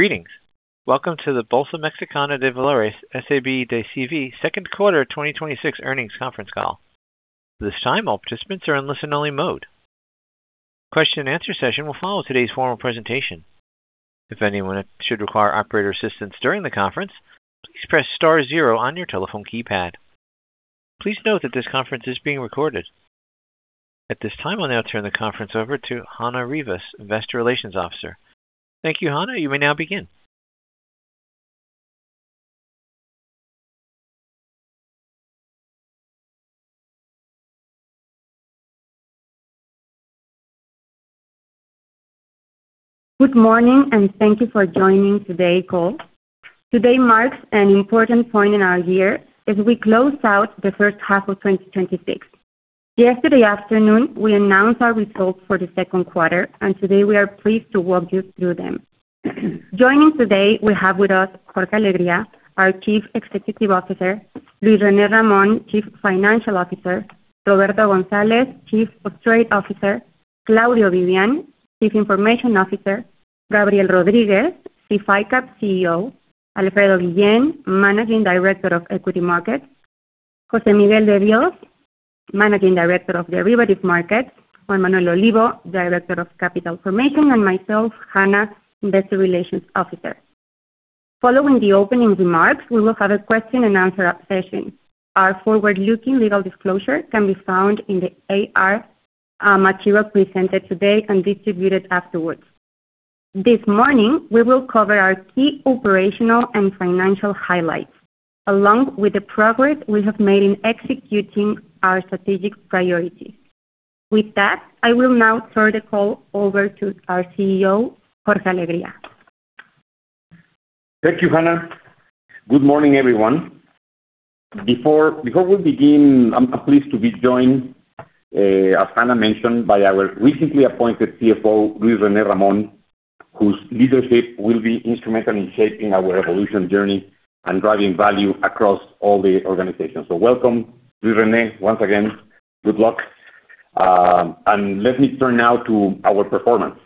Greetings. Welcome to the Bolsa Mexicana de Valores, S.A.B. de C.V. second quarter 2026 earnings conference call. At this time, all participants are in listen-only mode. A question and answer session will follow today's formal presentation. If anyone should require operator assistance during the conference, please press star zero on your telephone keypad. Please note that this conference is being recorded. At this time, I will now turn the conference over to Hannah Rivas, Investor Relations Officer. Thank you, Hannah. You may now begin. Good morning, and thank you for joining today's call. Today marks an important point in our year as we close out the first half of 2026. Yesterday afternoon, we announced our results for the second quarter, and today we are pleased to walk you through them. Joining today we have with us Jorge Alegría, our Chief Executive Officer, Luis René Ramón, Chief Financial Officer, Roberto González, Chief Post-trade Officer, Claudio Vivian, Chief Information Officer, Gabriel Rodríguez, SIF ICAP CEO, Alfredo Guillén, Managing Director of equity markets, José Miguel de Dios, Managing Director of derivative markets, Juan Manuel Olivo, Director of Capital Formation, and myself, Hannah, Investor Relations Officer. Following the opening remarks, we will have a question and answer session. Our forward-looking legal disclosure can be found in the IR material presented today and distributed afterwards. This morning, we will cover our key operational and financial highlights, along with the progress we have made in executing our strategic priorities. With that, I will now turn the call over to our CEO, Jorge Alegría. Thank you, Hannah. Good morning, everyone. Before we begin, I am pleased to be joined, as Hannah mentioned, by our recently appointed CFO, Luis René Ramón, whose leadership will be instrumental in shaping our evolution journey and driving value across all the organizations. Welcome, Luis René, once again. Good luck. Let me turn now to our performance.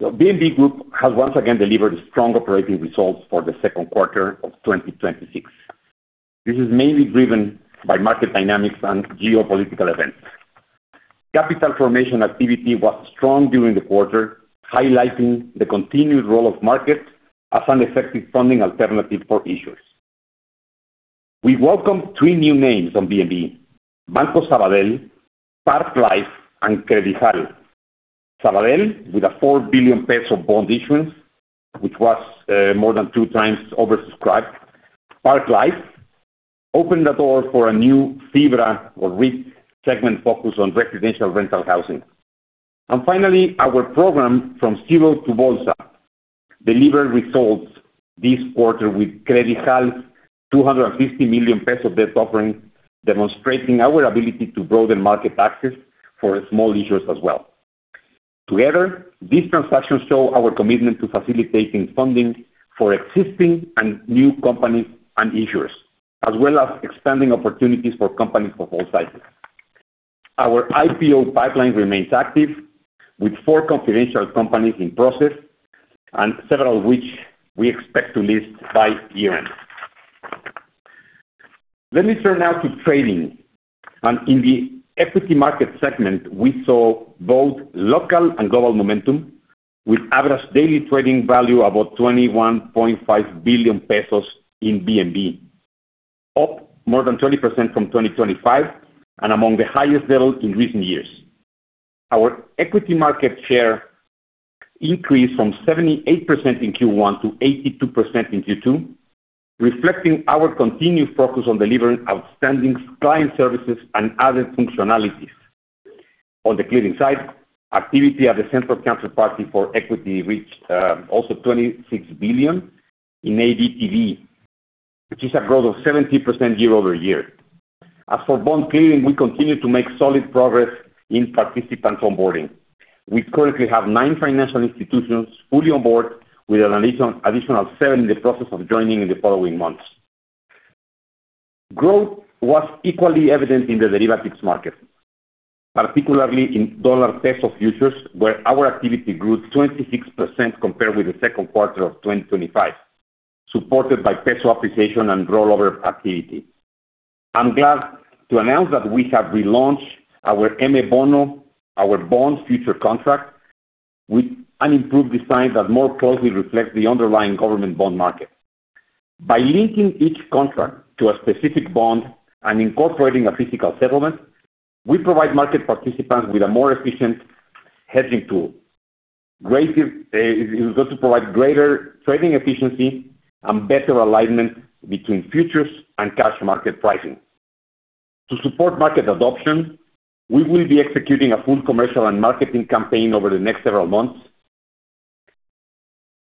BMV Group has once again delivered strong operating results for the second quarter of 2026. This is mainly driven by market dynamics and geopolitical events. Capital formation activity was strong during the quarter, highlighting the continued role of markets as an effective funding alternative for issuers. We welcome three new names on BMV: Banco Sabadell, Park Life, and Credijal. Sabadell with a 4 billion peso bond issuance, which was more than 2x oversubscribed. Park Life opened the door for a new FIBRA or REIT segment focused on residential rental housing. Finally, our program De Cero a Bolsa delivered results this quarter with Credijal's 250 million peso debt offering, demonstrating our ability to broaden market access for small issuers as well. Together, these transactions show our commitment to facilitating funding for existing and new companies and issuers, as well as expanding opportunities for companies of all sizes. Our IPO pipeline remains active with four confidential companies in process and several which we expect to list by year-end. Let me turn now to trading. In the equity market segment, we saw both local and global momentum with average daily trading value about 21.5 billion pesos in BMV, up more than 20% from 2025 and among the highest levels in recent years. Our equity market share increased from 78% in Q1 to 82% in Q2, reflecting our continued focus on delivering outstanding client services and added functionalities. On the clearing side, activity at the central counterparty for equity reached also 26 billion in ADTV, which is a growth of 70% year-over-year. As for bond clearing, we continue to make solid progress in participants onboarding. We currently have nine financial institutions fully on board with an additional seven in the process of joining in the following months. Growth was equally evident in the derivatives market, particularly in dollar-peso futures, where our activity grew 26% compared with the second quarter of 2025, supported by peso appreciation and rollover activity. I'm glad to announce that we have relaunched our M Bono, our bonds future contract, with an improved design that more closely reflects the underlying government bond market. By linking each contract to a specific bond and incorporating a physical settlement, we provide market participants with a more efficient hedging tool. It is going to provide greater trading efficiency and better alignment between futures and cash market pricing. To support market adoption, we will be executing a full commercial and marketing campaign over the next several months,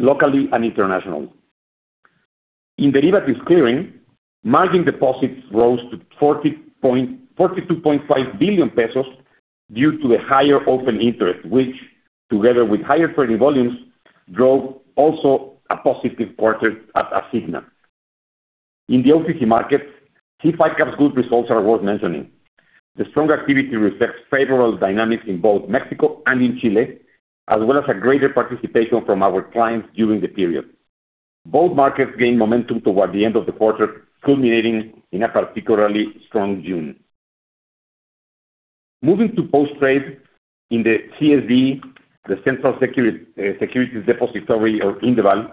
locally and internationally. In derivatives clearing, margin deposits rose to 42.5 billion pesos due to the higher open interest, which, together with higher trading volumes, drove also a positive quarter at Asigna. In the OTC markets, SIF ICAP's good results are worth mentioning. The strong activity reflects favorable dynamics in both Mexico and in Chile, as well as greater participation from our clients during the period. Both markets gained momentum toward the end of the quarter, culminating in a particularly strong June. Moving to post-trade, in the CSD, the Central Securities Depository, or Indeval,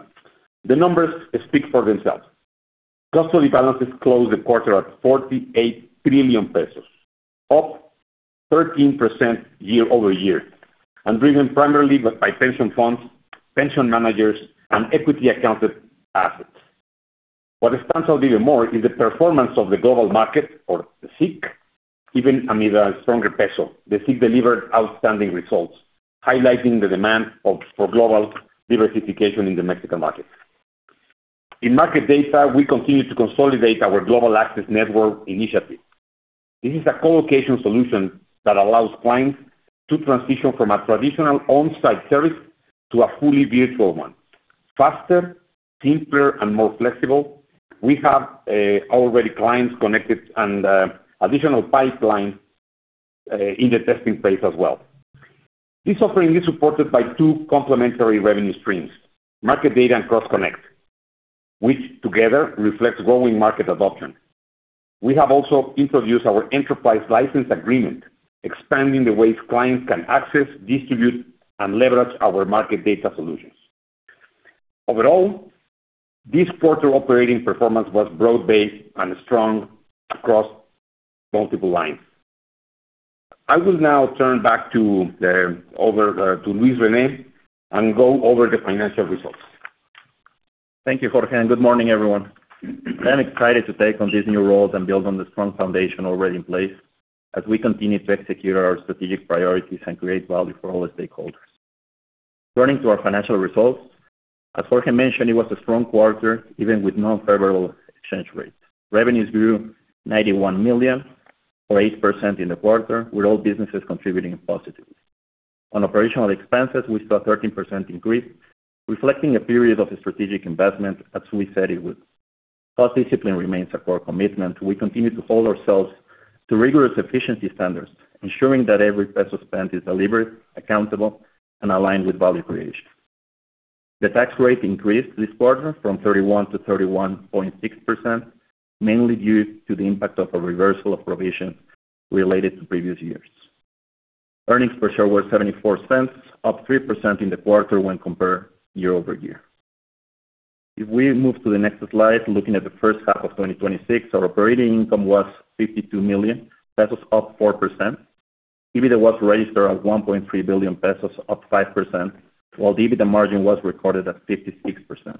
the numbers speak for themselves. Custody balances closed the quarter at 48 trillion pesos, up 13% year-over-year, and driven primarily by pension funds, pension managers, and equity accounted assets. What stands out even more is the performance of the global market, or the SIC. Even amid a stronger peso, the SIC delivered outstanding results, highlighting the demand for global diversification in the Mexican market. In market data, we continue to consolidate our Global Access Network initiative. This is a co-location solution that allows clients to transition from a traditional on-site service to a fully virtual one. Faster, simpler, and more flexible. We have already clients connected and additional pipelines in the testing phase as well. This offering is supported by two complementary revenue streams: market data and cross-connect, which together reflect growing market adoption. We have also introduced our Enterprise License Agreement, expanding the ways clients can access, distribute, and leverage our market data solutions. This quarter operating performance was broad-based and strong across multiple lines. I will now turn back to Luis René and go over the financial results. Thank you, Jorge, and good morning, everyone. I'm excited to take on this new role and build on the strong foundation already in place as we continue to execute our strategic priorities and create value for all our stakeholders. Turning to our financial results. As Jorge mentioned, it was a strong quarter, even with non-favorable exchange rates. Revenues grew 91 million, or 8% in the quarter, with all businesses contributing positively. On operational expenses, we saw a 13% increase, reflecting a period of strategic investment, as we said it would. Cost discipline remains a core commitment. We continue to hold ourselves to rigorous efficiency standards, ensuring that every peso spent is deliberate, accountable, and aligned with value creation. The tax rate increased this quarter from 31% to 31.6%, mainly due to the impact of a reversal of provision related to previous years. Earnings per share were 0.74, up 3% in the quarter when compared year-over-year. If we move to the next slide, looking at the first half of 2026, our operating income was 52 million pesos, up 4%. EBITDA was registered at 1.3 billion pesos, up 5%, while the EBITDA margin was recorded at 56%.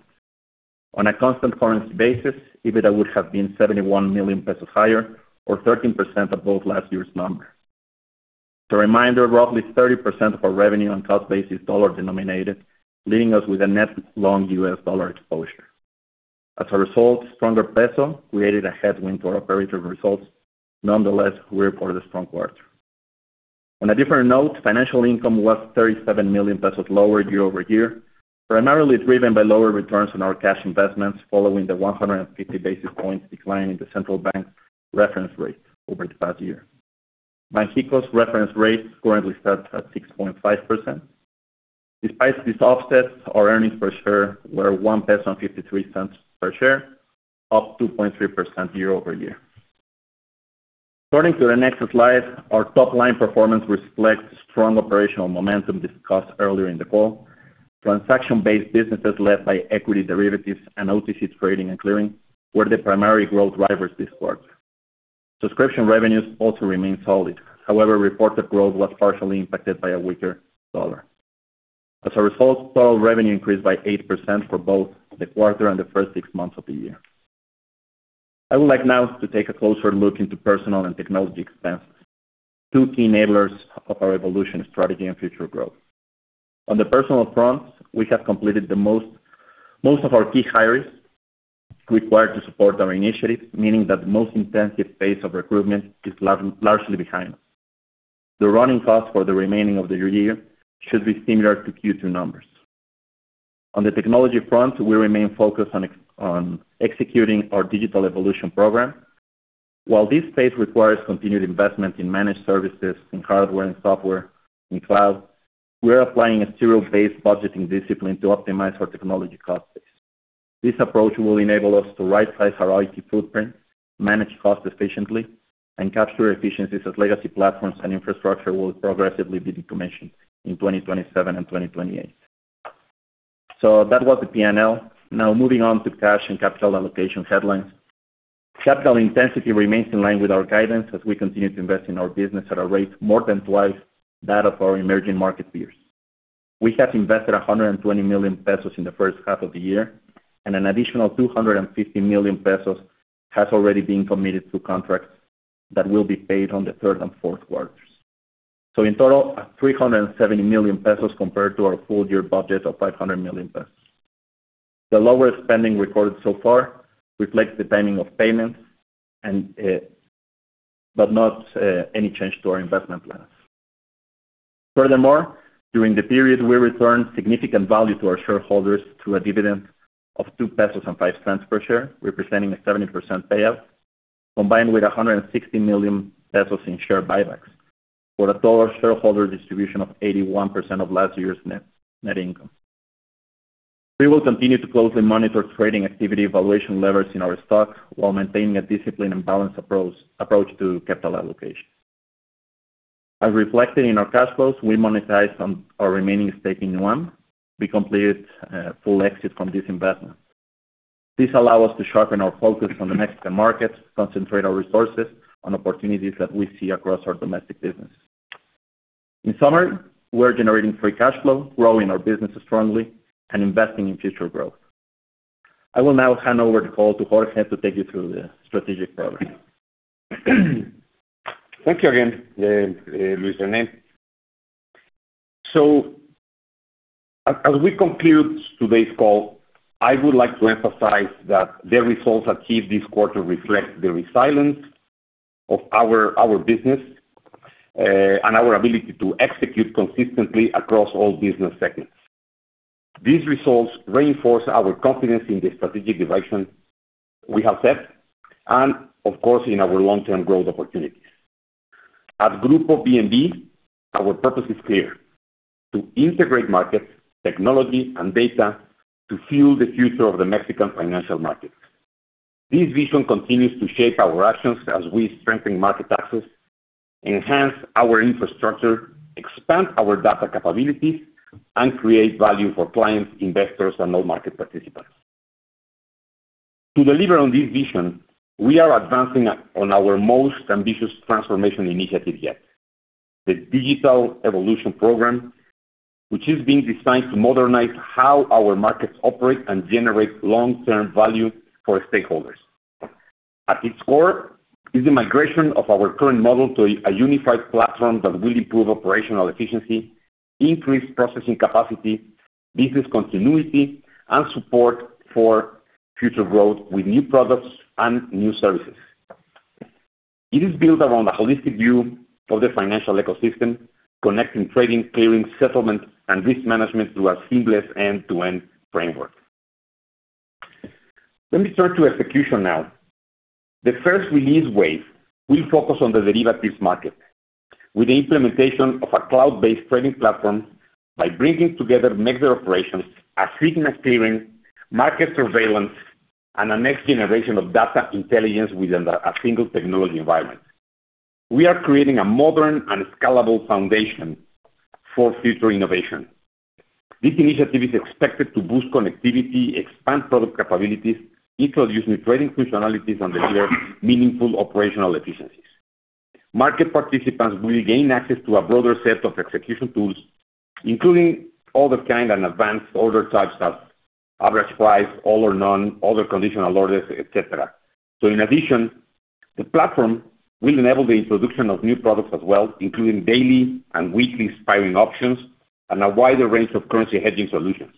On a constant currency basis, EBITDA would have been 71 million pesos higher, or 13% above last year's number. As a reminder, roughly 30% of our revenue on a cost basis dollar-denominated, leaving us with a net long U.S. dollar exposure. As a result, a stronger peso created a headwind for operating results. We reported a strong quarter. Financial income was 37 million pesos lower year-over-year, primarily driven by lower returns on our cash investments following the 150 basis points decline in the central bank reference rate over the past year. Banxico's reference rates currently set at 6.5%. Despite this offset, our earnings per share were 1.53 peso per share, up 2.3% year-over-year. Turning to the next slide, our top-line performance reflects strong operational momentum discussed earlier in the call. Transaction-based businesses led by equity derivatives and OTC trading and clearing were the primary growth drivers this quarter. Subscription revenues also remain solid. Reported growth was partially impacted by a weaker dollar. Total revenue increased by 8% for both the quarter and the first six months of the year. I would like now to take a closer look into personnel and technology expense, two key enablers of our evolution strategy and future growth. On the personnel front, we have completed the most of our key hires required to support our initiative, meaning that the most intensive phase of recruitment is largely behind us. The running cost for the remaining of the year should be similar to Q2 numbers. On the technology front, we remain focused on executing our Digital Evolution program. While this phase requires continued investment in managed services, in hardware and software, in cloud, we are applying a zero-based budgeting discipline to optimize our technology cost base. This approach will enable us to rightsize our IT footprint, manage costs efficiently, and capture efficiencies as legacy platforms and infrastructure will progressively be decommissioned in 2027 and 2028. That was the P&L. Moving on to cash and capital allocation headlines. Capital intensity remains in line with our guidance as we continue to invest in our business at a rate more than twice that of our emerging market peers. We have invested 120 million pesos in the first half of the year, and an additional 250 million pesos has already been committed to contracts that will be paid on the third and fourth quarters. In total, 370 million pesos compared to our full-year budget of 500 million pesos. The lower spending recorded so far reflects the timing of payments, not any change to our investment plans. Furthermore, during the period, we returned significant value to our shareholders through a dividend of 2.05 pesos per share, representing a 70% payout, combined with 160 million pesos in share buybacks, for a total shareholder distribution of 81% of last year's net income. We will continue to closely monitor trading activity valuation levels in our stock while maintaining a disciplined and balanced approach to capital allocation. As reflected in our cash flows, we monetized on our remaining stake in ONE. We completed a full exit from this investment. This allowed us to sharpen our focus on the Mexican market, concentrate our resources on opportunities that we see across our domestic business. In summary, we're generating free cash flow, growing our businesses strongly, and investing in future growth. I will now hand over the call to Jorge to take you through the strategic program. Thank you again, Luis René. As we conclude today's call, I would like to emphasize that the results achieved this quarter reflect the resilience of our business, and our ability to execute consistently across all business segments. These results reinforce our confidence in the strategic direction we have set and, of course, in our long-term growth opportunities. At Grupo BMV, our purpose is clear: to integrate markets, technology, and data to fuel the future of the Mexican financial markets. This vision continues to shape our actions as we strengthen market access, enhance our infrastructure, expand our data capabilities, and create value for clients, investors, and all market participants. To deliver on this vision, we are advancing on our most ambitious transformation initiative yet, the Digital Evolution program, which is being designed to modernize how our markets operate and generate long-term value for stakeholders. At its core is the migration of our current model to a unified platform that will improve operational efficiency, increase processing capacity, business continuity, and support for future growth with new products and new services. It is built around a holistic view of the financial ecosystem, connecting trading, clearing, settlement, and risk management through a seamless end-to-end framework. Let me turn to execution now. The first release wave will focus on the derivatives market with the implementation of a cloud-based trading platform by bringing together MexDer operations, Asigna clearing, market surveillance, and a next generation of data intelligence within a single technology environment. We are creating a modern and scalable foundation for future innovation. This initiative is expected to boost connectivity, expand product capabilities, introduce new trading functionalities, and deliver meaningful operational efficiencies. Market participants will gain access to a broader set of execution tools, including all the kind and advanced order types of average price, all-or-none, other conditional orders, et cetera. In addition, the platform will enable the introduction of new products as well, including daily and weekly expiring options and a wider range of currency hedging solutions.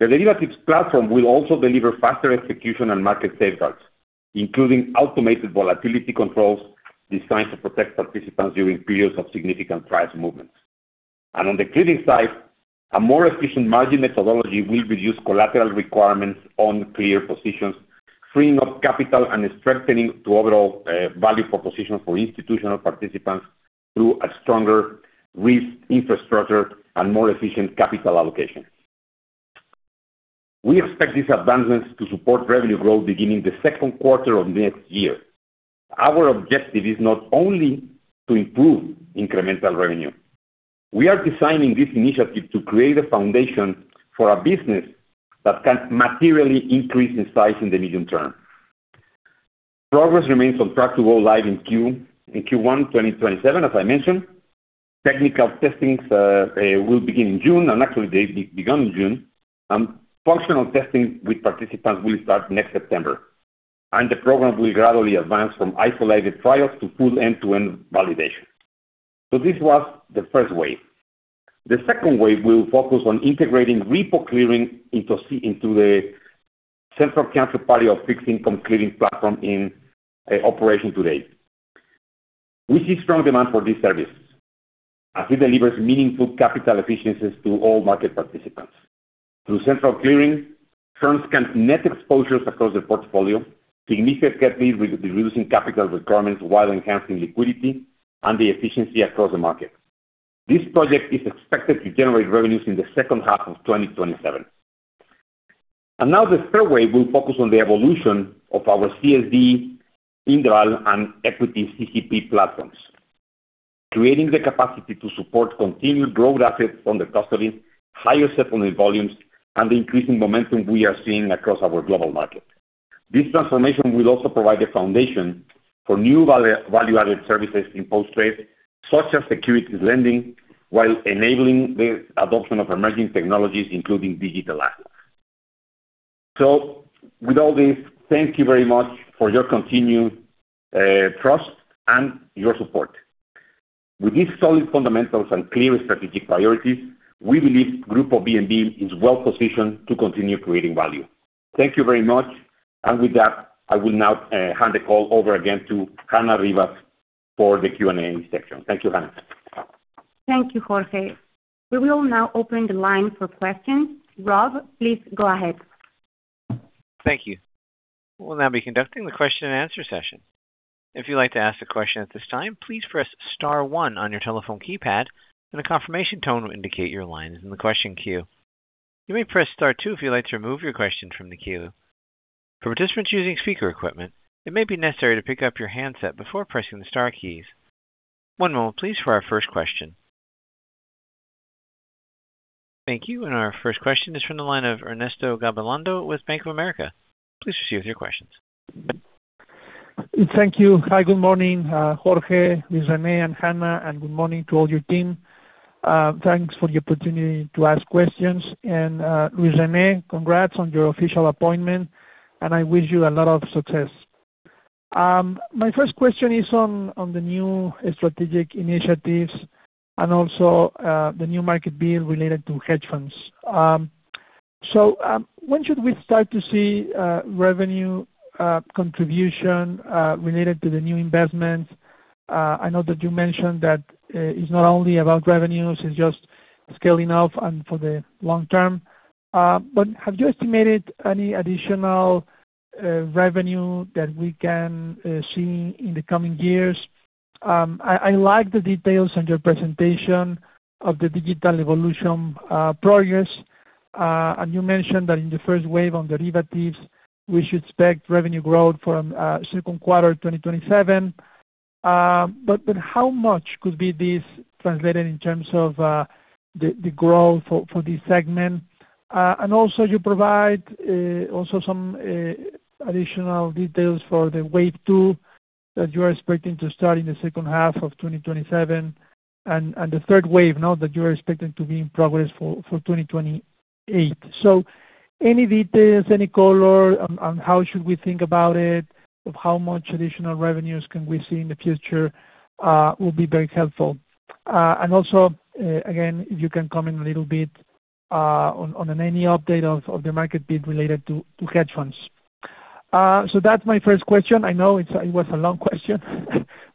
The derivatives platform will also deliver faster execution and market safeguards, including automated volatility controls designed to protect participants during periods of significant price movements. On the clearing side, a more efficient margin methodology will reduce collateral requirements on cleared positions, freeing up capital and strengthening to overall value proposition for institutional participants through a stronger risk infrastructure and more efficient capital allocation. We expect this advancement to support revenue growth beginning the second quarter of next year. Our objective is not only to improve incremental revenue. We are designing this initiative to create a foundation for a business that can materially increase in size in the medium term. Progress remains on track to go live in Q1 2027, as I mentioned. Technical testings will begin in June, and actually they began in June. Functional testing with participants will start next September, and the program will gradually advance from isolated trials to full end-to-end validation. This was the first wave. The second wave will focus on integrating repo clearing into the central counterparty our fixed income clearing platform in operation to date. We see strong demand for these services as it delivers meaningful capital efficiencies to all market participants. Through central clearing, firms can net exposures across the portfolio, significantly reducing capital requirements while enhancing liquidity and the efficiency across the markets. This project is expected to generate revenues in the second half of 2027. Now the third wave will focus on the evolution of our CSD, Indeval and equity CCP platforms, creating the capacity to support continued growth assets under custody, higher settlement volumes, and the increasing momentum we are seeing across our global markets. This transformation will also provide a foundation for new value-added services in post-trade, such as securities lending, while enabling the adoption of emerging technologies, including digital assets. With all this, thank you very much for your continued trust and your support. With these solid fundamentals and clear strategic priorities, we believe Grupo BMV is well positioned to continue creating value. Thank you very much. With that, I will now hand the call over again to Hannah Rivas for the Q&A section. Thank you, Hannah. Thank you, Jorge. We will now open the line for questions. Rob, please go ahead. Thank you. We will now be conducting the question and answer session. If you would like to ask a question at this time, please press star one on your telephone keypad and a confirmation tone will indicate your line is in the question queue. You may press star two if you would like to remove your question from the queue. For participants using speaker equipment, it may be necessary to pick up your handset before pressing the star keys. One moment please, for our first question. Thank you. Our first question is from the line of Ernesto Gabilondo with Bank of America. Please proceed with your questions. Thank you. Hi, good morning, Jorge, Luis René, and Hannah, and good morning to all your team. Thanks for the opportunity to ask questions. Luis René, congrats on your official appointment, and I wish you a lot of success. My first question is on the new strategic initiatives and also the new market bill related to hedge funds. When should we start to see revenue contribution related to the new investments? I know that you mentioned that it is not only about revenues, it is just scaling up and for the long term. Have you estimated any additional revenue that we can see in the coming years? I like the details on your presentation of the digital evolution progress. You mentioned that in the first wave on derivatives, we should expect revenue growth from second quarter 2027. How much could be this translated in terms of the growth for this segment? Also you provide some additional details for the wave 2 that you are expecting to start in the second half of 2027. The third wave 3 now that you are expecting to be in progress for 2028. Any details, any color on how should we think about it, of how much additional revenues can we see in the future will be very helpful. Also, again, if you can comment a little bit on any update of the market bid related to hedge funds. That is my first question. I know it was a long question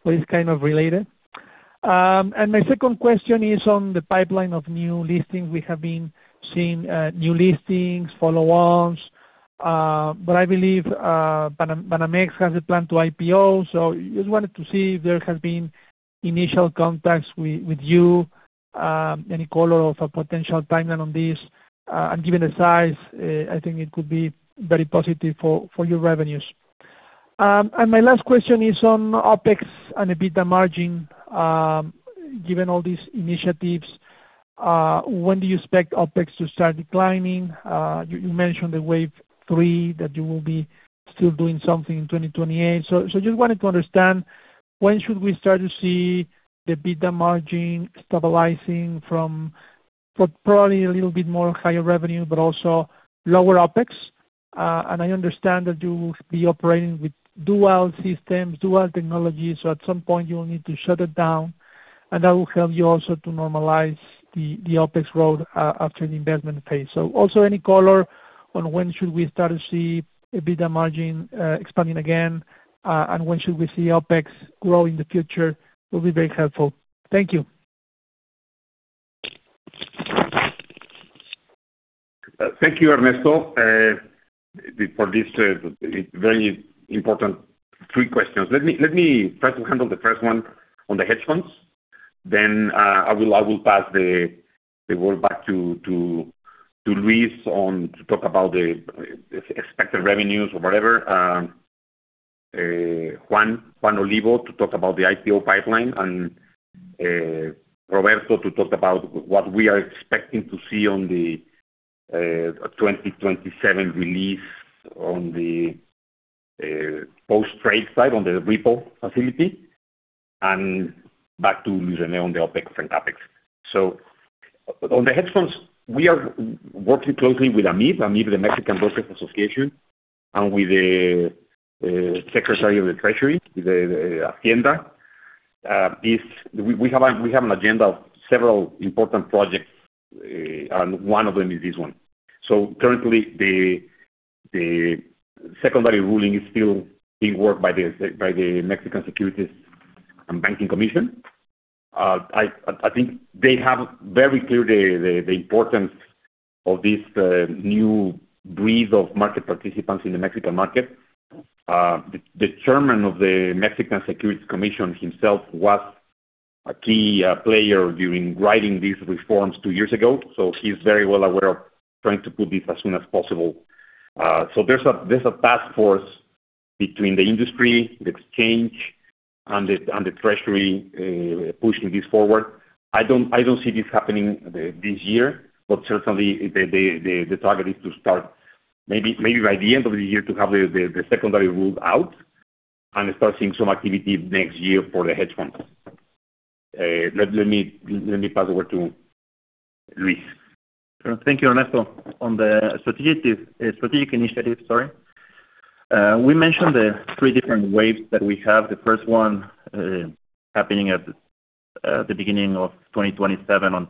but it is kind of related. My second question is on the pipeline of new listings. We have been seeing new listings, follow-ons. I believe Banamex has a plan to IPO, just wanted to see if there has been initial contacts with you, any color of a potential timeline on this. Given the size, I think it could be very positive for your revenues. My last question is on OpEx and EBITDA margin. Given all these initiatives, when do you expect OpEx to start declining? You mentioned the wave 3, that you will be still doing something in 2028. Just wanted to understand when should we start to see the EBITDA margin stabilizing from probably a little bit more higher revenue, but also lower OpEx. I understand that you will be operating with dual systems, dual technology. At some point you will need to shut it down, and that will help you also to normalize the OpEx road after the investment phase. Also any color on when should we start to see EBITDA margin expanding again, and when should we see OpEx grow in the future will be very helpful. Thank you. Thank you, Ernesto, for these very important three questions. Let me first handle the first one on the hedge funds, then I will pass the word back to Luis to talk about the expected revenues or whatever. Juan Olivo to talk about the IPO pipeline and Roberto to talk about what we are expecting to see on the 2027 release on the post-trade side, on the repo facility. Back to Luis René on the OpEx and CapEx. On the hedge funds, we are working closely with AMIB. AMIB, the Mexican Brokers Association, with the Secretaría de Hacienda y Crédito Público, the Hacienda. We have an agenda of several important projects, and one of them is this one. Currently, the secondary ruling is still being worked by the Mexican Securities and Banking Commission. I think they have very clear the importance of this new breed of market participants in the Mexican market. The chairman of the Mexican Securities Commission himself was a key player during writing these reforms two years ago. He's very well aware of trying to put this as soon as possible. There's a task force between the industry, the exchange, and the Treasury pushing this forward. I don't see this happening this year, but certainly the target is to start maybe by the end of the year to have the secondary rule out and start seeing some activity next year for the hedge funds. Let me pass over to Luis. Thank you, Ernesto. On the strategic initiatives, we mentioned the three different waves that we have, the first one happening at the beginning of 2027 on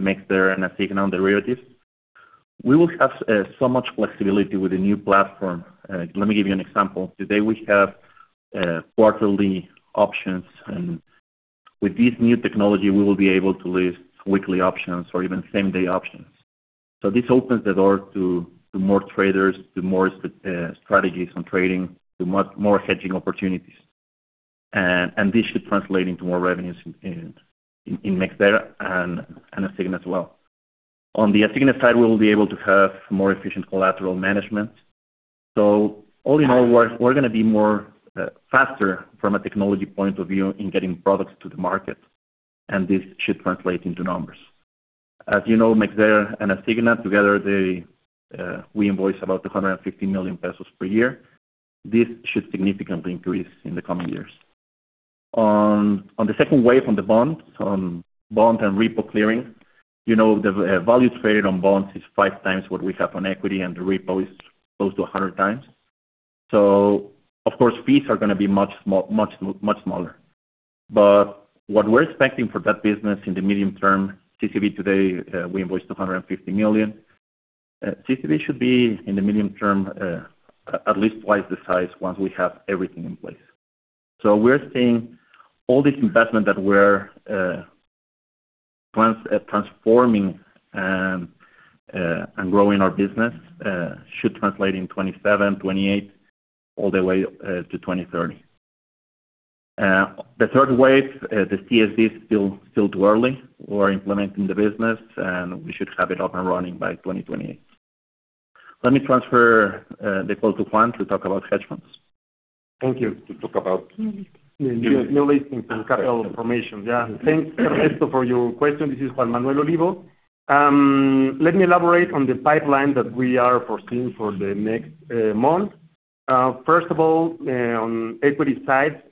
MexDer and Asigna on derivatives. We will have so much flexibility with the new platform. Let me give you an example. Today, we have quarterly options. With this new technology, we will be able to list weekly options or even same-day options. This opens the door to more traders, to more strategies on trading, to more hedging opportunities. This should translate into more revenues in MexDer and Asigna as well. On the Asigna side, we will be able to have more efficient collateral management. All in all, we're going to be more faster from a technology point of view in getting products to the market, and this should translate into numbers. As you know, MexDer and Asigna, together, we invoice about 150 million pesos per year. This should significantly increase in the coming years. On the second wave on the bonds and repo clearing, the values traded on bonds is five times what we have on equity, and the repo is close to 100 times. Of course, fees are going to be much smaller. What we're expecting for that business in the medium term, CCP today, we invoice 250 million. CCP should be, in the medium term, at least twice the size once we have everything in place. We're seeing all this investment that we're transforming and growing our business should translate in 2027, 2028, all the way to 2030. The third wave, the CSD is still too early. We're implementing the business, and we should have it up and running by 2028. Let me transfer the call to Juan to talk about hedge funds. Thank you. To talk about- Yeah. New listings and capital formation. Yes. Thanks, Ernesto, for your question. This is Juan Manuel Olivo. Let me elaborate on the pipeline that we are foreseeing for the next month. First of all, on equity side,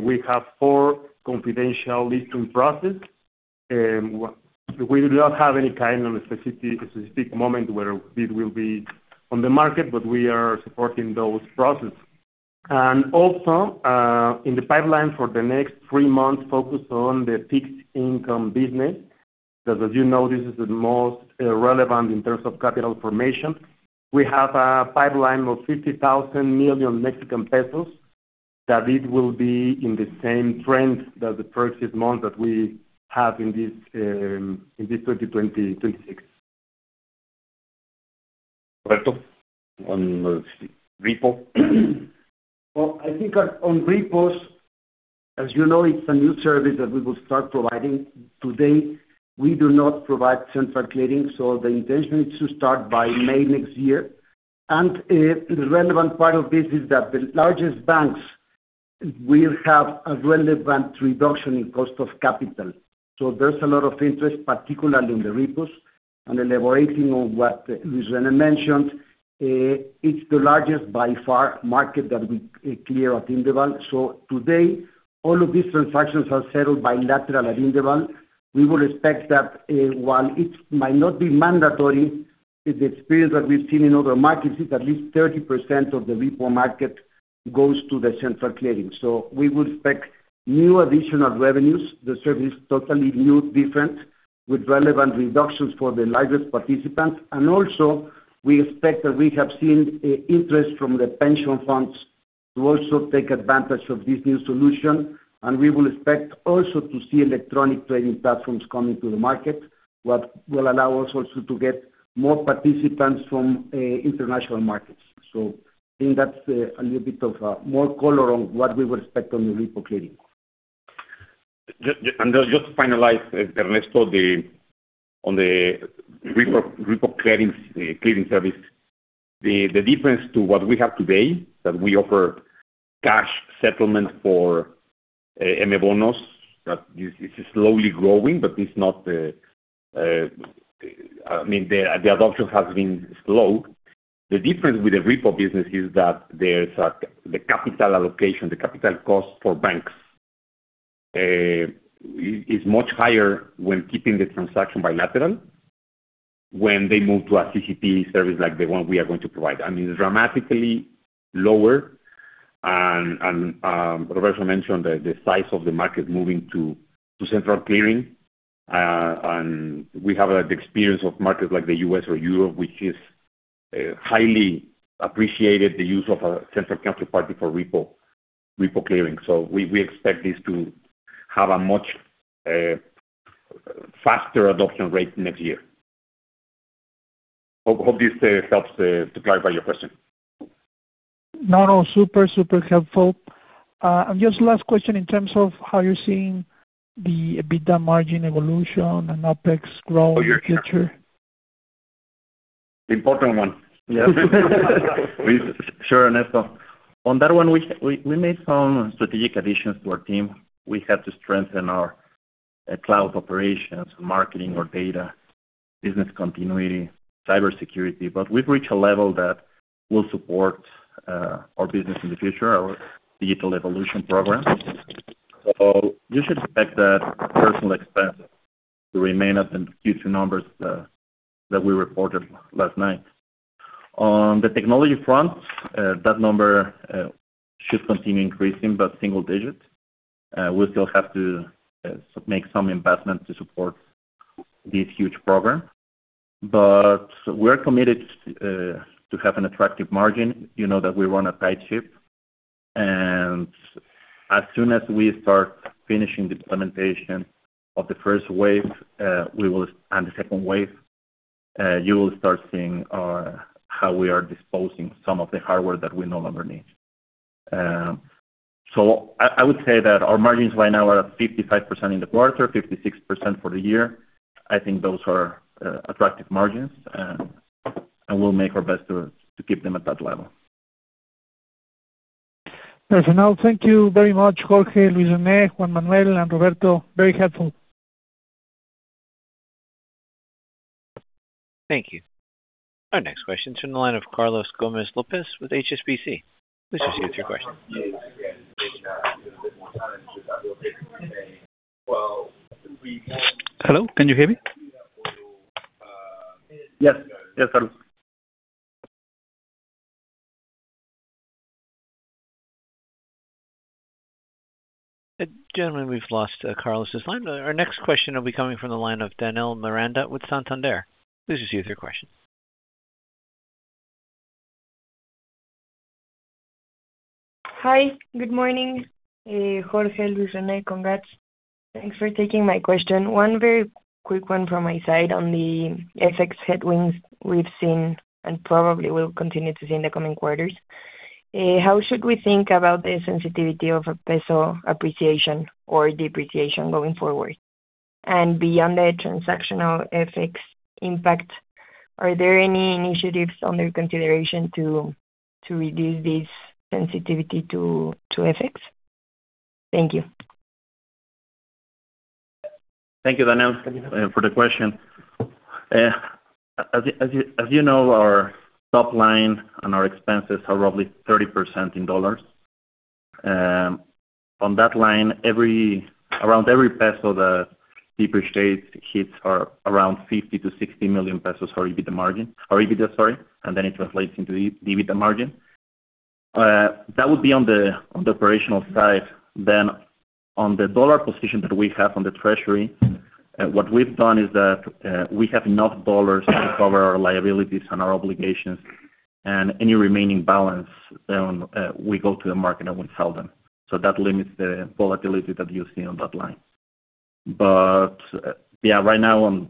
we have four confidential listing process. We do not have any kind of specific moment where it will be on the market, but we are supporting those process. Also, in the pipeline for the next three months, focused on the fixed income business, because as you know, this is the most relevant in terms of capital formation. We have a pipeline of 50 billion Mexican pesos that it will be in the same trend that the past month that we have in this 2026. Roberto on repo. Well, I think on repos, as you know, it's a new service that we will start providing today. We do not provide central clearing, so the intention is to start by May next year. The relevant part of this is that the largest banks will have a relevant reduction in cost of capital. There's a lot of interest, particularly in the repos. Elaborating on what Luis René mentioned, it's the largest, by far, market that we clear at Indeval. Today, all of these transactions are settled bilateral at Indeval. We will expect that while it might not be mandatory, the experience that we've seen in other markets is at least 30% of the repo market goes to the central clearing. We would expect new additional revenues. The service is totally new, different, with relevant reductions for the largest participants. Also, we expect that we have seen interest from the pension funds to also take advantage of this new solution. We will expect also to see electronic trading platforms coming to the market, what will allow us also to get more participants from international markets. I think that's a little bit of more color on what we would expect on the repo clearing. Just to finalize, Ernesto, on the repo clearing service, the difference to what we have today, that we offer cash settlement for M Bonos. That is slowly growing, but the adoption has been slow. The difference with the repo business is that the capital allocation, the capital cost for banks is much higher when keeping the transaction bilateral. When they move to a CCP service like the one we are going to provide, I mean, dramatically lower. Roberto mentioned the size of the market moving to central clearing. We have the experience of markets like the U.S. or Europe, which is highly appreciated the use of a central counterparty for repo clearing. We expect this to have a much faster adoption rate next year. Hope this helps to clarify your question. No, super helpful. Just last question in terms of how you're seeing the EBITDA margin evolution and OpEx growth in the future. Important one. Yeah. Sure, Ernesto. On that one, we made some strategic additions to our team. We had to strengthen our cloud operations, marketing, our data, business continuity, cybersecurity, but we've reached a level that will support our business in the future, our digital evolution program. You should expect that personnel expense to remain at the Q2 numbers that we reported last night. On the technology front, that number should continue increasing, but single digits. We still have to make some investments to support this huge program. We're committed to have an attractive margin. You know that we run a tight ship, and as soon as we start finishing the implementation of the first wave and the second wave, you will start seeing how we are disposing some of the hardware that we no longer need. I would say that our margins right now are at 55% in the quarter, 56% for the year. I think those are attractive margins, and we'll make our best to keep them at that level. Perfect, thank you very much, Jorge, Luis René, Juan Manuel, and Roberto. Very helpful. Thank you. Our next question is on the line of Carlos Gomez-Lopez with HSBC. Please proceed with your question. Hello, can you hear me? Yes. Yes, Carlos. Gentlemen, we've lost Carlos' line. Our next question will be coming from the line of Danele Miranda with Santander. Please proceed with your question. Hi. Good morning, Jorge, Luis René. Congrats. Thanks for taking my question. One very quick one from my side on the FX headwinds we've seen and probably will continue to see in the coming quarters. How should we think about the sensitivity of a peso appreciation or depreciation going forward? Beyond the transactional FX impact, are there any initiatives under consideration to reduce this sensitivity to FX? Thank you. Thank you, Danele, for the question. As you know, our top line and our expenses are roughly 30% in dollars. On that line, around every peso that depreciates hits our around 50 million-60 million pesos or EBITDA margin, or EBITDA, sorry, and then it translates into the EBITDA margin. That would be on the operational side. On the dollar position that we have on the treasury, what we've done is that we have enough dollars to cover our liabilities and our obligations, and any remaining balance, then we go to the market and we sell them. That limits the volatility that you see on that line. Yeah, right now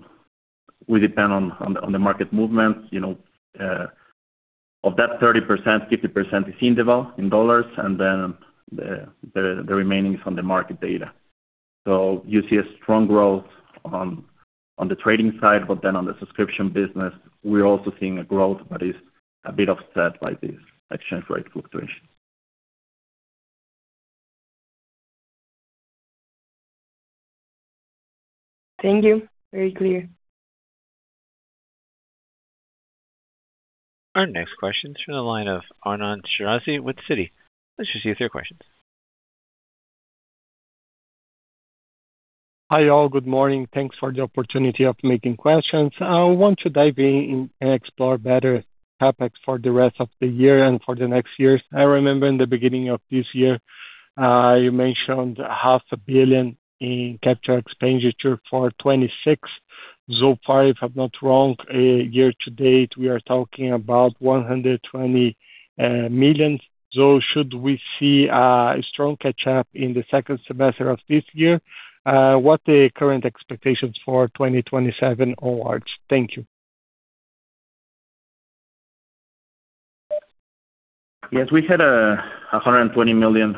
we depend on the market movement. Of that 30%, 50% is in dollars, and then the remaining is on the market data. You see a strong growth on the trading side, on the subscription business, we're also seeing a growth, but it's a bit offset by this exchange rate fluctuation. Thank you. Very clear. Our next question's from the line of Arnon Shirazi with Citi. Please proceed with your questions. Hi, all. Good morning. Thanks for the opportunity of making questions. I want to dive in and explore better CapEx for the rest of the year and for the next years. I remember in the beginning of this year, you mentioned 500 million in capital expenditure for 2026. So far, if I'm not wrong, year to date, we are talking about 120 million. Should we see a strong catch-up in the second semester of this year? What are the current expectations for 2027 onwards? Thank you. Yes, we had 120 million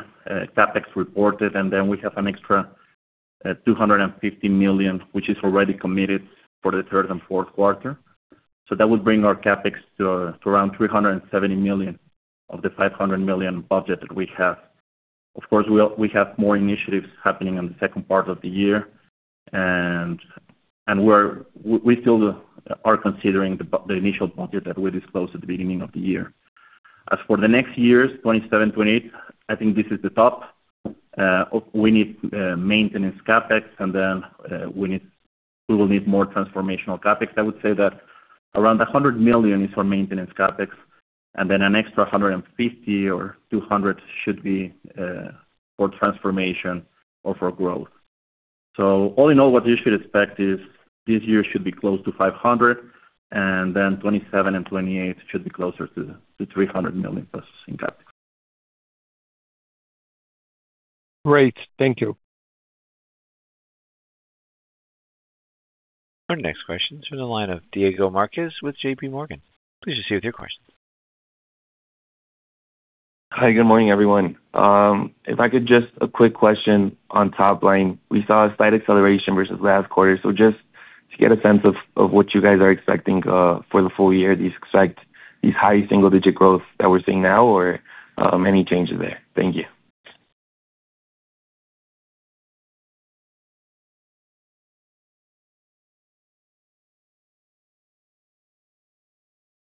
CapEx reported. We have an extra 250 million, which is already committed for the third and fourth quarter. That would bring our CapEx to around 370 million of the 500 million budget that we have. Of course, we have more initiatives happening in the second part of the year, and we still are considering the initial budget that we disclosed at the beginning of the year. As for the next years, 2027, 2028, I think this is the top. We need maintenance CapEx, then we will need more transformational CapEx. I would say that around 100 million is for maintenance CapEx, then an extra 150 or 200 should be for transformation or for growth. All in all, what you should expect is this year should be close to 500. Then 2027 and 2028 should be closer to 300 million plus in CapEx. Great. Thank you. Our next question's from the line of Diego Márquez with JPMorgan. Please proceed with your question. Hi. Good morning, everyone. If I could, just a quick question on top line. We saw a slight acceleration versus last quarter, so just to get a sense of what you guys are expecting for the full year, do you expect this high single-digit growth that we're seeing now, or any changes there? Thank you.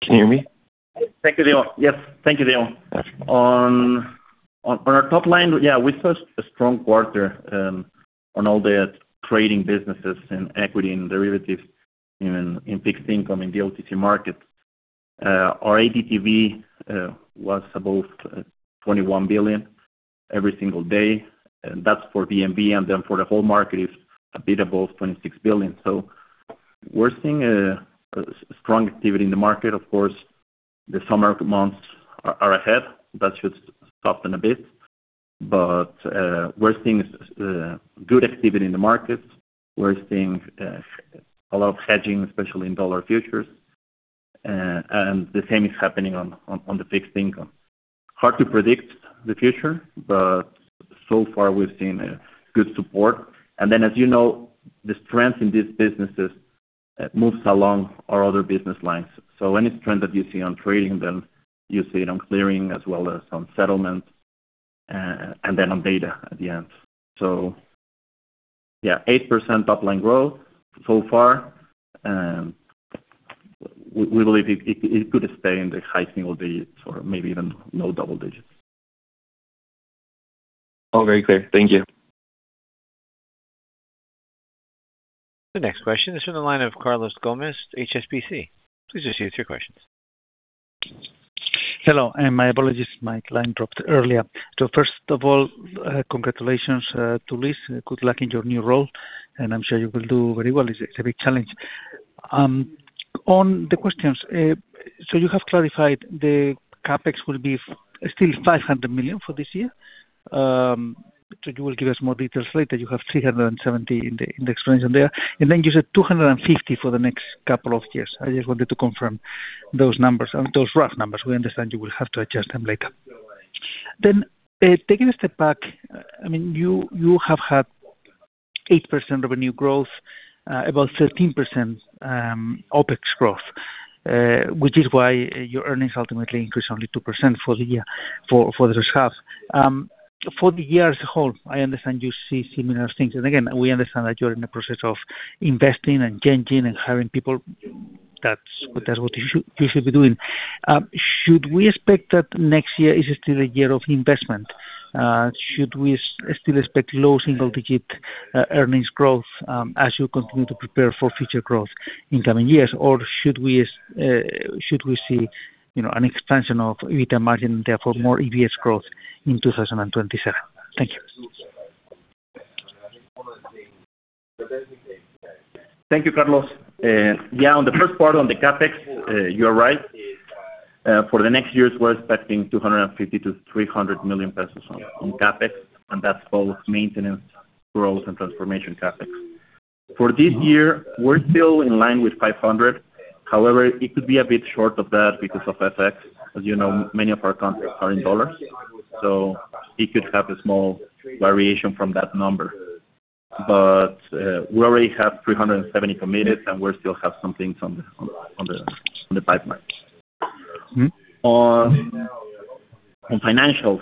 Can you hear me? Thank you, Diego. Yes. Thank you, Diego. On our top line, yeah, we saw a strong quarter on all the trading businesses in equity and derivatives, in fixed income, in the OTC markets. Our ADTV was above 21 billion every single day. That's for BMV, and then for the whole market, it's a bit above 26 billion. We're seeing strong activity in the market. Of course, the summer months are ahead. That should soften a bit. We're seeing good activity in the market. We're seeing a lot of hedging, especially in dollar futures. The same is happening on the fixed income. Hard to predict the future, but so far, we've seen good support. As you know, the strength in these businesses moves along our other business lines. Any trend that you see on trading, then you see it on clearing as well as on settlements, and then on data at the end. Yeah, 8% top-line growth so far, and we believe it could stay in the high single digits or maybe even low double digits. All very clear. Thank you. The next question is from the line of Carlos Gomez-Lopez, HSBC. Please proceed with your questions. Hello, my apologies, my line dropped earlier. First of all, congratulations to Luis, good luck in your new role. I'm sure you will do very well. It's a big challenge. On the questions, you have clarified the CapEx will be still 500 million for this year. You will give us more details later. You have 370 in the explanation there. You said 250 for the next couple of years. I just wanted to confirm those numbers, those rough numbers. We understand you will have to adjust them later. Taking a step back, you have had 8% revenue growth, about 13% OpEx growth, which is why your earnings ultimately increased only 2% for the year, for the first half. For the year as a whole, I understand you see similar things. Again, we understand that you are in the process of investing and changing and hiring people. That's what you should be doing. Should we expect that next year is still a year of investment? Should we still expect low single-digit earnings growth as you continue to prepare for future growth in coming years? Or should we see an expansion of EBITDA margin, therefore more EPS growth in 2027? Thank you. Thank you, Carlos. On the first part on the CapEx, you are right. For the next years, we are expecting 250 million-300 million pesos on CapEx, and that is both maintenance, growth, and transformation CapEx. For this year, we are still in line with 500 million. However, it could be a bit short of that because of FX. As you know, many of our contracts are in dollars, so it could have a small variation from that number. We already have 370 million committed, and we still have some things on the pipeline. On financials,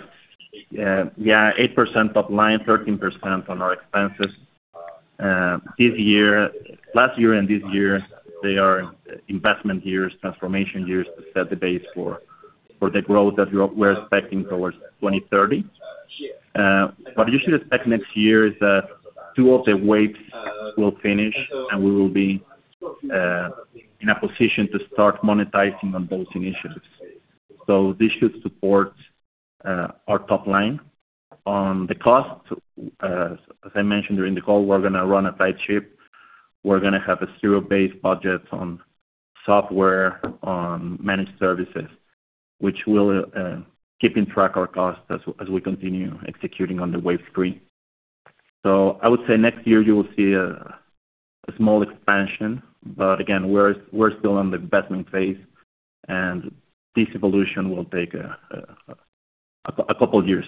8% top line, 13% on our expenses. Last year and this year, they are investment years, transformation years to set the base for the growth that we are expecting towards 2030. What you should expect next year is that two of the waves will finish, and we will be in a position to start monetizing on those initiatives. This should support our top line. On the cost, as I mentioned during the call, we are going to run a tight ship. We are going to have a zero-based budget on software, on managed services, which will keep in track our costs as we continue executing on the wave 3. I would say next year you will see a small expansion, again, we are still on the investment phase, and this evolution will take a couple of years.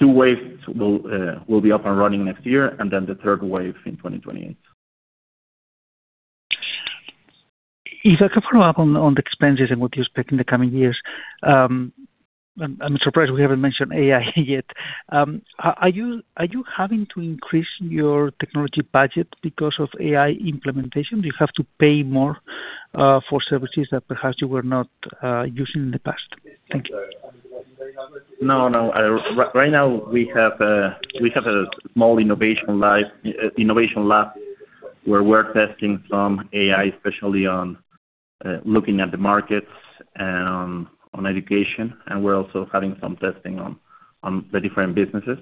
Two waves will be up and running next year, and then the third wave in 2028. If I could follow up on the expenses and what you expect in the coming years. I am surprised we have not mentioned AI yet. Are you having to increase your technology budget because of AI implementation? Do you have to pay more for services that perhaps you were not using in the past? Thank you. No, no. Right now, we have a small innovation lab where we are testing some AI, especially on looking at the markets and on education. We are also having some testing on the different businesses.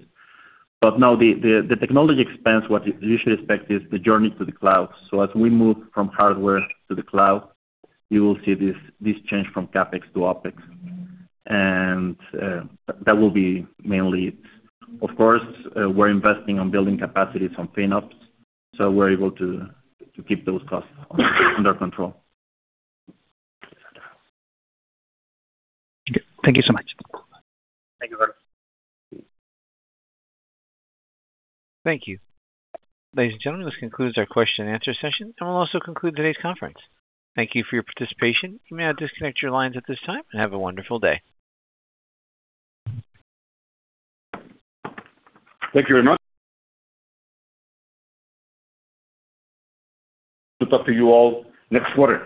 No, the technology expense, what you should expect is the journey to the cloud. As we move from hardware to the cloud, you will see this change from CapEx to OpEx. That will be mainly it. Of course, we are investing on building capacities on FinOps, we are able to keep those costs under control. Thank you so much. Thank you. Thank you. Ladies and gentlemen, this concludes our question and answer session. We'll also conclude today's conference. Thank you for your participation. You may now disconnect your lines at this time. Have a wonderful day. Thank you very much. Look up to you all next quarter.